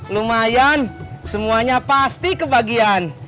lumayan semuanya pasti kebagian